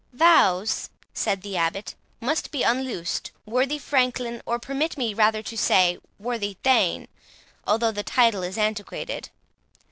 "Vows," said the Abbot, "must be unloosed, worthy Franklin, or permit me rather to say, worthy Thane, though the title is antiquated.